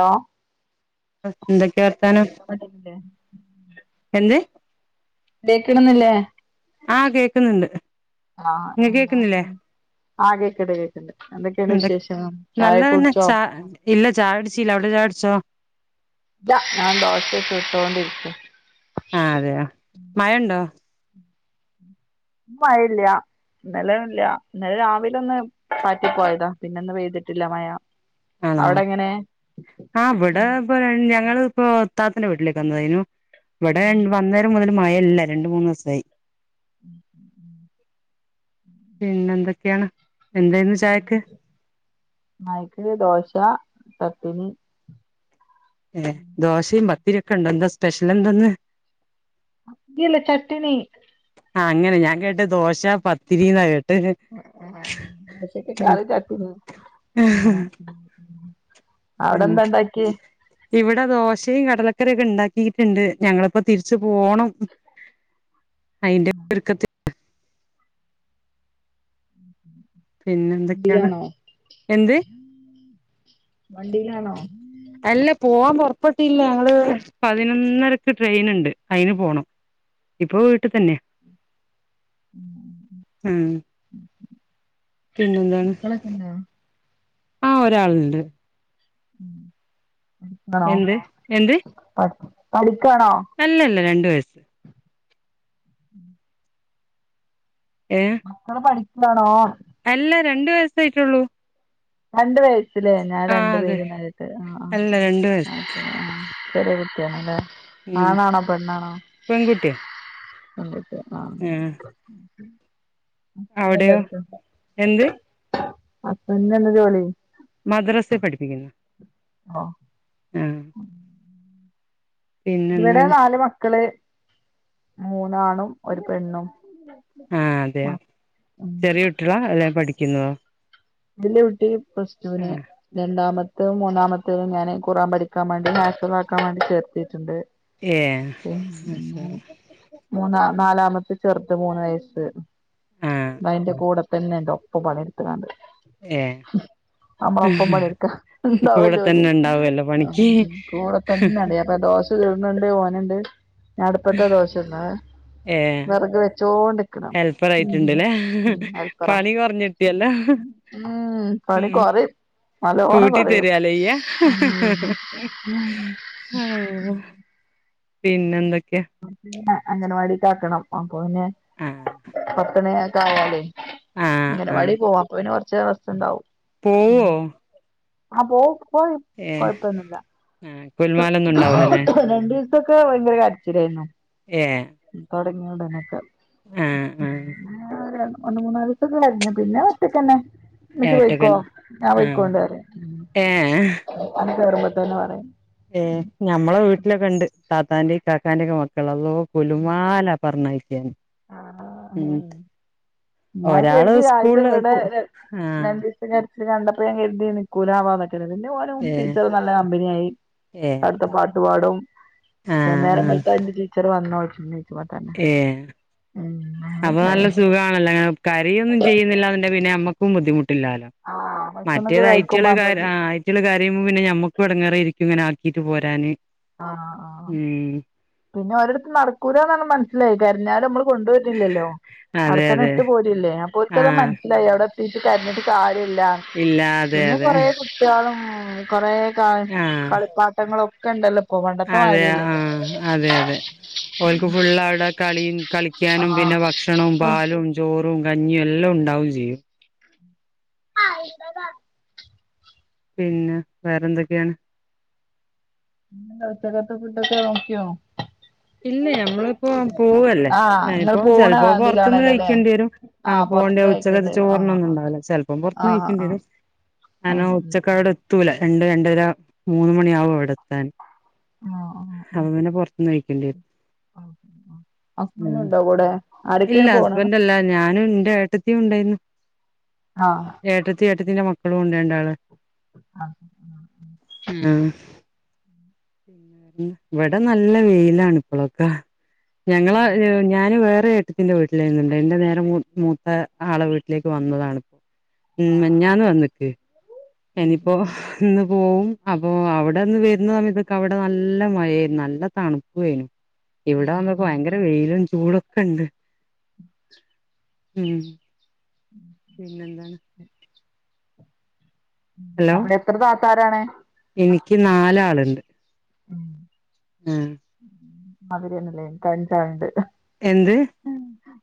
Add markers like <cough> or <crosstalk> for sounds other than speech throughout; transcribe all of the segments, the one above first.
Law എന്തൊക്കെയാ വർത്താനം കേൾക്കാൻ പറ്റുന്നില്ലേ എന്ത് തേക്കിടുന്നില്ലേ ആഹ് കേക്കുന്നുണ്ട് ആഹ് നിങ്ങ എന്നാ കേക്കുന്നില്ലേ ആ കേൾക്ക്ണ്ട് കേക്കണ്ട് എന്തൊക്കെയാണ് എന്ത വിശേഷം ചായ നല്ലതന്നെ കുടിച്ചോ ചാ ഇല്ല ചായകുടിച്ചില്ല അവിടെ ചായകുടിച്ചോ ഇല്ല ഞാൻ ദോശ ചുട്ടോണ്ടിരിക്ക ആ അതെയോ മഴ ഉണ്ടോ മഴല്യാ ഇന്നലല്ല ഇന്നലെ രാവിലെ ഒന്ന് പാറ്റിപ്പോയതാ പിന്നെ ഇന്ന് പെയ്തിട്ടില്ല മഴ ആണോ അവിടെ എങ്ങനെ ആ ഇവിടെ ഇപ്പൊ ഞങ്ങൾ ഇപ്പോ താത്തന്റെ വീട്ടിലേക്ക് വന്നതായിനു ഇവിടെ വന്നേരം മുതൽ മഴല്ല രണ്ട് മൂന്ന് ദിവസായി പിന്നെ എന്തൊക്കെയാണ് എന്തായിരുന്നു ചായക്ക് ചായക്ക് ദോശ ചട്നി ഏഹ് ദോശയും പത്തിരൊക്കെ ഉണ്ടോ എന്താ സ്പെഷ്യൽ എന്തന്ന് ഇല്ല ചട്നി ആഹ അങ്ങനെ ഞാൻ കേട്ട് ദോശ പത്തിരിന്നാ കേട്ടെ <unintelligible> അവിടെ ഉം എന്താ ഉണ്ടാക്കിയേ ഇവിടെ ദോശയും കടലക്കറി ക്കെ ഉണ്ടാക്കിട്ടുണ്ട് ഞങ്ങളിപ്പോ തിരിച്ചു പോണം അതിന്റെ ഒരുക്കത്തി പിന്നെ എന്തൊക്കെയാണ് വണ്ടിയിലാണോ എന്ത് വണ്ടിയിലാണോ അല്ല പോവാൻ പുറപ്പെട്ടില്ല ഞങ്ങള് പതിനൊന്നരക്ക് ട്രെയിൻ ഉണ്ട് അയ്ന് പോണം ഇപ്പൊ വീട്ടിത്തന്നെ ആഹ് പിന്നെന്താണ് മക്കളൊക്കെ ഇണ്ടോ ആ ഒരാളുണ്ട് ക്കണോ എന്ത് എന്ത് പഠിക്കാണോ അല്ലല്ല രണ്ടു വയസ്സ് ഏഹ് മ്മക്കള് പഠിക്കാണോ അല്ല രണ്ട് വയസ്സേയായിട്ടുള്ളൂ രണ്ട് വയസ്സിലേ ഞാൻ ആ രണ്ടു അതെ പേരെന്നാ കേട്ടെ അല്ല രണ്ട് വയസ്സ് ആ ഉം ആണാണോ പെണ്ണാണോ ഉം ആ എന്ത് ഹസ്ബെന്റിനെന്താ ജോലി മദ്രസ്സെൽ പഠിപ്പിക്കുന്നു ഓ ആഹ ഇവിടെ പിന്നെന്താണ് നാല് മക്കള് മൂന്നാണും ഒരു പെണ്ണും ആ അതെയോ ചെറിയ കുട്ടികളോ അല്ലെ പഠിക്കുന്നതോ വെല്ല്യ കുട്ടി പ്ലസ് ആ ടുവിന് രണ്ടാമത്തെ ഇന്റെ മൂന്നാമത്തും ഞാൻ ഖുർആൻ പഠിക്കാൻ വേണ്ടി ഹാഫിള് ആക്കാൻ വേണ്ടി ചേർത്തിട്ടുണ്ട് ഏ മാഷാ പിന്ന മൂന്ന നാലാമത്തെ ചെറുത് മൂന്ന് വയസ്സ് അല്ലാഹ് ആ അയിന്റെ കൂടെത്തന്നെണ്ട് ഒപ്പ പണിയെടുത്തെങ്ങാണ്ട് ഏ നമ്മളെ പ്പം കൂടെ പണിയെടുക്കാണ്ടാവല്ലോല്ലേ തന്നെ ഉണ്ടാവുമല്ലോ പണിക്ക് കൂടെത്തന്നെണ്ട് അപ്പൊ ദോശ ചുടുന്നുണ്ട് ഓനുണ്ട് ഞാൻ അടുപ്പത്തെ ദോശന്ന ഏ വെറക് വെച്ചോണ്ടിക്കുന്നു ഹെൽപ്പർ ആയിട്ടുണ്ട്ല്ലേ പണി കൊറഞ്ഞിട്ടിയല്ലോ ആഹ് പണി കൊറയും നല്ലോണം കൂട്ടി പറയും തരുവല്ലേ ഇയ്യ ആഹ് പിന്നെന്തൊക്കെയാ മ അംഗൻവാടിക്ക് ആക്കണം അപ്പൊപ്പിന്നെ ആ പത്തണിയൊക്കെ ആയാലേ ആ ആ അങ്ങനവാടി പോവാ അപ്പപ്പിന്നെ കൊറച്ച ദിവസണ്ടാവും പോവോ ആ പോവും പോവും ഏ ആ കുൽമാലൊന്നും ഉണ്ടാവൂലല്ലേ രണ്ടീസൊക്കെ ഭയങ്കര കരച്ചിലായിരുന്നു ഏ തുടങ്ങിയൊടനൊക്കെ ആ ആ ഒന്ന് മൂന്നാലീസൊക്കെ കരഞ്ഞു പിന്നെ ഒറ്റക്കന്നെ ഏ ഇമ്മച്ചി പൊയിക്കോ ഒറ്റക്കൻ ഞാൻ ആ പോയ്ക്കോണ്ട പറേം ഏ വന്ന് കേറുമ്പോത്തന്നെ പറയും ഏ ഞമ്മളെ വീട്ടിലൊക്കെ ഉണ്ട് താത്താന്റേം കാക്കാന്റേം ഒക്കെ മക്കള് അള്ളോ ഗുലുമാല പറഞ്ഞയക്കാന് അഹ് ഞാൻ ഒരാള് കരുതി ആദ്യത്തെ സ്കൂളില് ഇവിടെ ആ <unintelligible> കണ്ടപ്പോ ഞാൻ കരുതി നിക്കൂലാവാന്നക്കെ <unintelligible> പോലും ഏ ടീച്ചർ നല്ല കമ്പനിയായി. ഏഹ് അടുത്തെ പാട്ടു പാടും. ആഹ് നേരം ആഹ് വെളുത്ത ഇന്റെ ടീച്ചർ വന്നോ <inaudible> ഏ ആഹ് അപ്പൊ നല്ല സുഖാണല്ലോ അങ്ങനെ കരയൊന്നും ചെയ്യുന്നില്ലന്നുണ്ടേൽ പിന്നെ നമ്മക്കും ബുദ്ധിമുട്ടില്ലാലോ ആഹ് ഭക്ഷണൊക്കെ മറ്റേത് കഴിക്കുമ്പോ ഐറ്റള് അന്ന് കര കുട്ട്യാള് കരയുമ്പപ്പിന്നെ നമ്മുക്കുംടങ്ങേറയിരിക്കും ഇങ്ങെനെ ആക്കിട്ട് പോരാന് ആ ആ ആ ഉം പിന്നെ ഒരിടത്തും നടക്കൂലന്ന മനസ്സിലായി കരിഞ്ഞാലുംമ്മള് കൊണ്ടുവരിണില്ലല്ലോ ആടെ അതെ തന്നെ അതെ ഇട്ട് പോരല്ലേ അപ്പൊ ഓൽക്കത് ആഹ് മനസ്സിലായി അവിടെ കിട്ടീട്ട് കരഞ്ഞിട്ട് കാര്യല്ല. ഇല്ല അതെ പിന്നെ അതെ കൊറെേ കുട്ടിയോളും കൊറെ ആ ആഹ് കളിപ്പാട്ടങ്ങളൊക്കെ ഉണ്ടല്ലോ അതെ ആ അതെ അതെ ഓൽക്ക് ഫുൾ അവിടെ കളി കളിക്കാനും ആഹ് പിന്നെ ഭക്ഷണവും പാലും ചോറും കഞ്ഞിയും എല്ലാം ഉണ്ടാവും ചെയ്യും <unintelligible> പിന്നെ വേറെ എന്തൊക്കെയാണ്. ഉച്ചക്കത്തെ ഫുഡ്ഓകെ നോക്കിയോ. ഇല്ല ഞമ്മളിപ്പോ പോവല്ലേ ആഹ് ഇങ്ങള് ഞാനിപ്പോ പോണ ചെലപ്പോ പൊറത്തുന്ന് ഇതിലാണല്ലോല്ലേ കഴിക്കേണ്ടി വരും. ആ ആഹ് പോവണ്ട പൊറത്ത്ന്ന് ഉച്ചകതെ കഴിക്കേണ്ടി വരും ആഹ് ചോർണ്ണൊന്നും ഉണ്ടാവില്ല ചിലപ്പം പുറതുന്ന് ആഹ് കയിക്കേണ്ടി ആഹ് വരും. ആഹ് ഞാനോ ഉം ഉം ഉച്ചക്കാടെ എത്തൂല. രണ്ട് രണ്ടര മൂന്ന്മണിയാവും അവിടെ എത്താൻ. അപ്പ പിന്നെ പുറത്തുന്ന് ക ഹസ്ബന്റ് ഉം ഉണ്ടോ കൂടെ. ഇല്ല ആരൊക്കെയാണ് പോണത് ഹസ്ബൻഡല്ല ഞാനും എന്റെ ഏട്ടത്തിയും ഉണ്ടായിരുന്നു. ആ ഏട്ടത്തി ഏട്ടത്തിന്റെ മക്കളും ഉണ്ട് രണ്ടാള് ആഹ ആ ഉ ആ മം. ഇവിടെ നല്ല വെയിലാണ് ഇപ്പളൊക്കെ. ഞങ്ങള ഞാന് വേറെ <unintelligible> വീട്ടിലെനി ഇണ്ടായത്. എന്റെ നേരെ മൂത്ത ആളെ വീട്ടിലേക്ക് വന്നതാണ്. ഉം. ആഹ് ആഹ് മിഞ്ഞാന്ന് വന്നിക്ക് ഉം എനിപ്പോ. ഉം ഇന്ന് പോവും. അപ്പോ അവിടെന്ന് വരുന്ന സമയത്തൊക്കെ അവിടെ നല്ല മഴ നല്ല തണുപ്പും ഏനു. ഇവിടെ ആഹ് വന്നപ്പോ ആഹ് ഭയങ്കര വെയിലും ചൂടൊക്കെ ഉണ്ട്. ഉം <inaudible> പിന്നെന്താണ്. ഹലോ <unintelligible> എത്ര താത്താരാണ്. എനിക്ക് നാലാളുണ്ട്. മ് ഉം <unintelligible> എന്ത്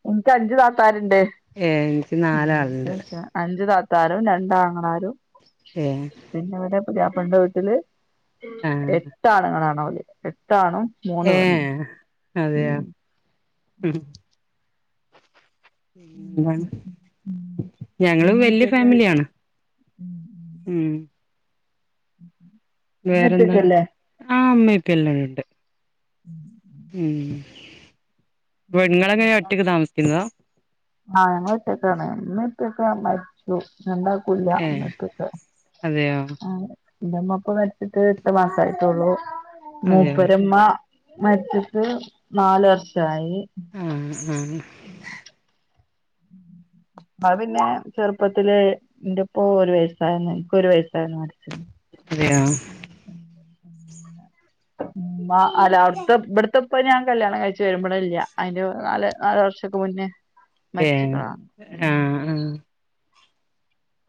എനിക്ക് അഞ്ച് താത്താരുണ്ട്. ഏ എനിക്ക് നാലാളുണ്ട് <unintelligible> അഞ്ച് താത്താരും രണ്ടാങ്ങളാരും ഏ ഇടെ പുതാപ്പളന്റെ വീട്ടില് ആ എട്ടാണുങ്ങളാണ് ഓല് എട്ടാണും മൂന്ന് ഏ. പെണ്ണും അതെയ. ഉം ഉം ഉം ഞങ്ങളും ഉമ്മ വല്യ ഉപ്പൊക്കെ ഫാമിലിയാണ്. ഉം ഉം ഉ വേറെന്താണ് ആ ഇമ്മിപ്പ എല്ലരു ഉണ്ട് ഉം ഉം ഉം പെണ്ണ്ങ്ങളോക്കെ ഒറ്റക്ക് താമസിക്കുന്നതാ ട്ടാണ് മ്മീം പ്പിം ഒക്കെ മരിച്ചു രണ്ടാ ഏ അതെയോ <unintelligible> എന്റെമ്മപ്പോ മരിച്ചിട്ട് എട്ട് മാസയിട്ടുള്ളൂ. അതെയോ മൂപ്പരമ്മ മരിച്ചിട്ട് നാല് വർഷായി. ആ ആ <unintelligible> പിന്നെ ചെറുപ്പത്തില് എന്റെപ്പോ ഒരു വയസ്സായി ഇപ്പോ ഒരു വയസ്സ അദ്ദേയെ <unintelligible> അല്ല <unintelligible> ഇവിടത്തെപ്പ ഞാൻ കല്യാണം കഴിച്ച് വരുമ്പോളെ ഇല്ല അതിന്റെ നാല് നാല് വർഷോക്കെ മുന്നേ ഏ. മരിച്ചിക്ക്ണാ ഉം ആഹ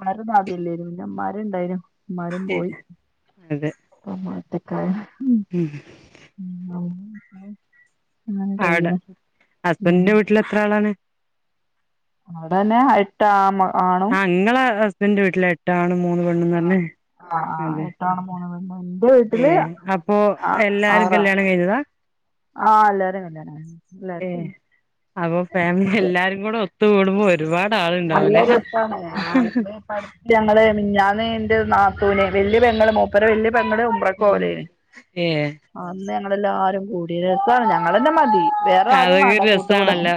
മ്മാരും മാതില്ലേും പിന്നെ മ്മാര് ഇണ്ടായിന്നു മ്മാരും ശെ പോയി അതെ പ്പ മ്മറ്റക്കായ ഉം ഉ ആ അവടെ, ഉം ഹസ്ബൻറിന്റെ വീട്ടിൽ എത്രാളാണ്? അടെന്നെ എട്ട് ആൺ മ ഞങ്ങളെ ഹസ്ബൻഡന്റെ വീട്ടിലെ എട്ട് ആണും മൂന്ന് പെണ്ണന്ന് പറഞ്ഞെ അതെ രാണും മൂന്ന് പെണ്ണും ഏ വീട്ടില് അപ്പൊ എല്ലാരും കല്യാണം കഴിഞ്ഞതാ ആഹ് എല്ലാരും അങ്ങന്നെണ് ഏ ല്ലാർക്കും അപ്പൊ ഫാമിലി എല്ലാരും കൂടെ ഒത്തു കൂടുമ്പോ ഒരുപാട് ആള്ണ്ടാവൂലേ ഞങ്ങള്ൾ ഞാൻ മിഞ്ഞാന്ന് ന്റെ നാത്തുവിനെ വല്യ പെങ്ങളും മുപ്പര വല്ല്യയ പെങ്ങളും ലെ ഏ അന്ന് ഞങ്ങെല്ലാരും കൂടിയ രസമാണ് ഞങ്ങളെന്നാ മതി വേറെ ആരും അതൊക്കെ വേണ്ട ഒരു കൂട്ടുകൂടാൻ രസാണല്ലോ.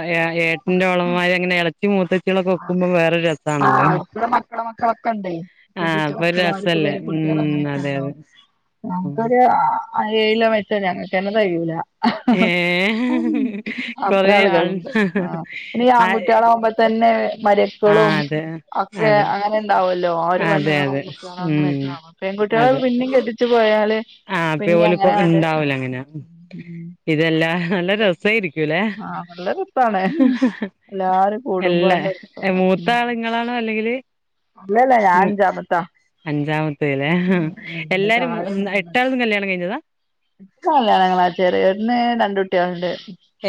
ഏട്ടൻ്റോള്മാരി അങ്ങനെ എളച്ചി മൂത്തച്ചികളൊക്കെ ഒക്കുമ്പോ വേറൊരു രസം ആ് അവര്ക്ക്ള്ള മക്കളെ മക്കളൊക്കെണ്ടേയ്. ആഹ് കെട്ടിച്ച അപ്പൊ ഒരു മക്കളു അവര്ക്ക് രസല്ലേ പേര കുട്യളു ഉം അതെ അങ്ങനെക്കെണ്ടോ അതെ ഉം ഞങ്ങക്കൊരു ഏഴിലോ വെച്ച ഞങ്ങക്കന്നെ തെകയൂല ഏ അത്ര കൊറെ ആളുകൾ ആൾ ഉണ്ട് പിന്നെ ഈ ആ ആൺകുട്ടികളാവകുമ്പ തന്നെ.. ആ മര്യക്കളും അതെ ഒക്കെ അതെ അങ്ങനെ ണ്ടാവൊല്ലൊ. അതെ ഒരുപെണ്ണുങ്ങളും അതെ കുട്ടിയളും ഉം അങ്ങനെയൊക്കാണ് പെൺകുട്യാളൊക്കെ പിന്നിം കെട്ടിച്ചു പോയാല് ആഹപ്പ പോ പിന്നെ ഓല അങ്ങനെങ്ങട്ട് ഉണ്ടാവൂല അങ്ങനെ ഉം ഇതെല്ലാ നല്ല രസേയിരിക്കു ലേ ആഹ് നല്ല രസാണ് എല്ലാരും കൂടുമ്പോ എല്ല, നല്ല രസാണ് മൂത്ത ഉം ആള് ങ്ങളാണോ അല്ലെങ്കില് അല്ലല്ല ഞാൻ ഹ് അഞ്ചാമത്താ അഞ്ചാമത്തത് ലേ ഹാ ഉം എന്റെ എല്ലാരും തും കല്യാണം കഴിഞ്ഞതാ? കല്യാണങ്ങാ ചെറന്ന് രണ്ട് കുട്ടികളുണ്ട്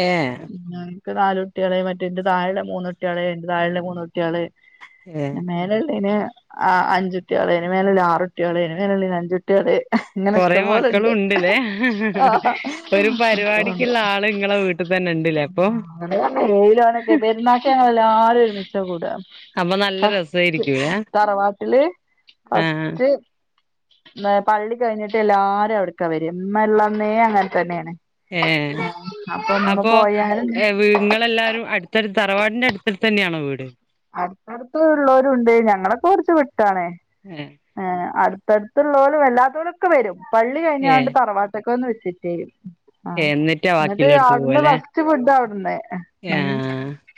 ഏഹ് ഞാ ഇൻക്ക് നാലുട്ടിയള് മറ്റേ ന്റെ താഴെള്ളെ മൂന്നുട്ടിയള് അതിന്റ താഴെ ള്ളെ മൂന്നുട്ടിയള് ഏ.. മേലേള്ളിന് അഞ്ചുട്യാള്, അയ്ന്റെ മേല ള്ളത് ആറുട്യാള്, അയ്ന്റെ മേലള്ളേന് അഞ്ചുട് കുട്യാള് ഇങ്ങനെ കൊറെ മക്കളും ഇഷ്ടംപോലണ്ട് ഉണ്ട്ല്ലേ ആ തന്നെണ്ട് അങ്ങനേയിലോനൊക്കെ പെരുന്നാക്ക് ഞങ്ങളെല്ലാരും ഒരുമിച്ച കൂട അപ്പൊ നല്ല ഫസ്റ്റ് രസായിരിക്കൂലേ തറവാട്ടില് ആ ഫസ്റ്റ് പള്ളി കഴിഞ്ഞിട്ട് എല്ലാരും അവിടക്ക വര. ഇമ്മള്ളന്നേ അങ്ങൻതന്നേണ് ഏ അപ്പോ പോയാലും ഏ വീ ങ്ങളെല്ലാരും അട് തർ തറവാടിന്റെ അടുത്ത അടുത്തന്നെയാണോ വീട്? അടുത്തടുത്ത് ളേളാരുണ്ട്. ഞങ്ങളൊക്കെ കൊർച്ച് വിട്ടാണ് ഏഹ് ഏ അടുത്തടുത്തുള്ളോലും അല്ലാത്തോലൊക്കെ വരും. പള്ളി ഏ കഴിഞ്ഞാണ്ട് തറവാ അൊക്കെ ഒന്ന് വെിട്ടേും <unintelligible> ആഹ് എന്നിട്ടാ എന്നിട്ട് ബാക്കിയുള്ളടത്ത് അവിടുന്ന് പോവല്ലേ ഫസ്റ്റ് ഫുഡ് അവിടന്ന ആ ഉം.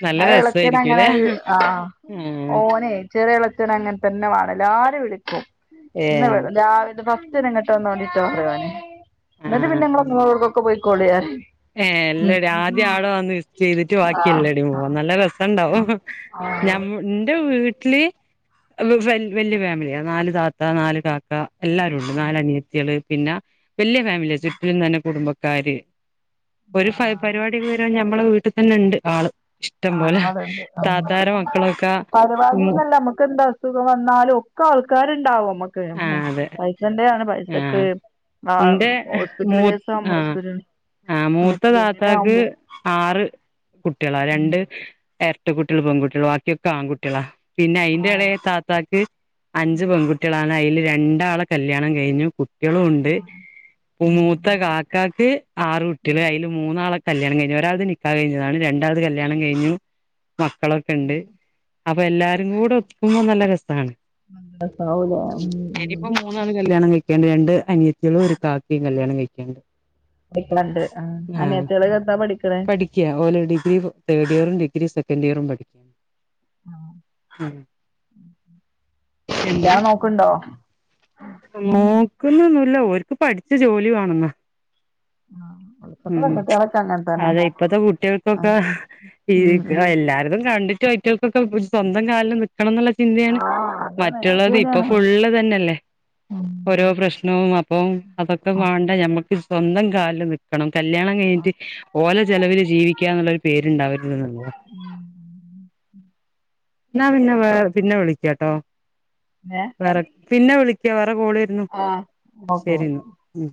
നല്ല ആ ഇളച്ചന അങ്ങനെ രസമായിരിക്കുംല്ലേ ഒരു ആ ആ ഓനെ ചെറ്യ എളച്ചനങ്ങൻതന്ന വാണം എല്ലാരും വിളിക്കും. ഏ ന്ന് വ രാവിലെ ഫസ്റ്റന്നെ ഇങ്ങ ട്ടൊന്നോണ്ടിട്ടോറ്യാന്. ആ ന്നിട്ട് പിന്നെ ങ്ങള് ങ്ങളോട്ക്കൊക്കെ പോയ്ക്കോള്യറ്യും ഏ എല്ലട്യം ആദ്യം ആട വന്ന് വിസ്റ്റ് ചെയ്തിട്ട് ആഹ് ബാക്ക്യല്ലട്യും പോവാ. ആഹ് നല്ല രസണ്ടാവും ആഹ് ആഹ് ഞമ്മ ന്റെ വീട്ടില് വല്യ ഫാമിലിയ നാല് താത്ത നാല് കാക്ക എല്ലാരുംണ്ട്. നാലനിയത്തിയള്, പിന്നെ വല്യ ഫാമിലിയ ചുറ്റിലും തന്നെ കുടുംബക്കാര് ഒരു ആഹ് പരിപാടി വരു നമ്മെ വീട്ടിൽ തന്നെ ഉണ്ട് ആള് ഇഷ്ടം ആ പോലെ അതണ്ട് താത്താരെ മക്കളൊക്കെ പരിപാടിന്നല്ല നമ്മുക്ക് എന്താ സുഖം വന്നാലും ഒക്കെ ആൾക്കാരുണ്ടാവും നമ്മക്ക് ആ അതെ പൈസന്റെയാണ് ആ പൈസക്ക്. ആഹ് എന്റെ ഹോസ്പിറ്റൽ മൂ കേസ് ആവുമ്പോ ആഹ് ഹോസ്പിറ്റൽ ആ മൂത്ത മറ്റേ ഇങ്ങനെ താത്താക്ക് ആവുമ്പോ ആറ് കുട്ടികളാ ഉം രണ്ട് എരട്ട കുട്ട്യള് പെൺകുട്ട്യള് ബാക്കിയൊക്കെ ആൺകുട്ട്യളാ. പിന്ന ആഹ് അയിന്റെളെ താത്താക്ക് അഞ്ച് പെൺകു അയില് രണ്ടാള കല്യാണം കഴിഞ്ഞു കുട്ടിയെളും ഉണ്ട് മൂത്ത ക നിക്കാക്ക് ആറ് കുട്ട്യള് അയിൽ മൂന്നാള കല്ല്യണം കഴിഞ്. ഒരാളത് നിക്കാഹ് കഴിഞ്ഞതാണ്. രണ്ടളത് കല്യാണം കഴിഞ്ഞു. മക്കളൊക്കെ ഇണ്ട് അപ്പൊ എല്ലാരും കൂടെ ഒത്തിക്കുമ്പോ നല്ല രസാണ്. അ. ഇനിയിപ്പോം മൂന്നാള് കല്യാണം കഴിക്കാണ്ട് രണ്ട് അനിയത്തിളും ഒരു കാക്കേം കല്യാണം കഴിക്കാണ്ട്. പഠിക്കണണ്ട് അനിയത്തിള് എന്താ പഠിക്കണേ? ക്ക, ഓല് ഡിഗ്രി തേഡ് ഇയറ് ഡിഗി സെക്കൻ് ഇയറും പഠി ആഹ്. ഉം എന്ത് ല്ലിയാണം നോക്ക്ണ്ടോ? നോക്കുന്നൊന്നുല്ല ഓര്ക്ക് പഠിച്ച ജോലി വാണെന്ന്. <unintelligible> അതെ ഇപ്പത്തെ കുട്ട്യൾക്കൊക്ക ആഹ് ഉം ഉം എല്ലാരതും കണ്ടിട്ടുയിട്ട് ക്കെ ക്കേ സ്വന്തം കാലിൽ നിക്കണം എന്നുള്ള ചിന്തയാണ് ആഹ് അതാണ് അത് മറ്റുള്ളത് ഇപ്പൊ ശരിയാണ് ഫുള്ള് തന്നെയല്ലേ. ഓരോ പ്രശ്നവും അപ്പം അതൊക്കെ വേണ്ട ഞമ്മക്ക് സ്വന്തം കാലിൽ നിക്കണം കല്യാണം കഴിഞ്ഞിട്ട് ഓല ചെലവില് ജീവിക്കാ എന്നുള്ളരു പേരുണ്ടാവരുതെന്നറഞ്ഞു എന്നാ പിന്നെ പിന്നെ വിളി. കേട്ടോ ഏ വേറെ പിന്നെ വിളിക്കാ വേറെ കോളെര്ന്നു ആഹ് ഓക്കെ ശരി ന്നാ ഉം.